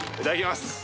頂きます。